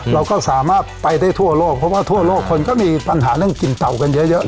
เราก็สามารถไปได้ทั่วโลกเพราะว่าทั่วโลกคนก็มีปัญหาเรื่องกลิ่นเต่ากันเยอะ